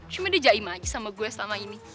cuma dia jaim aja sama gue selama ini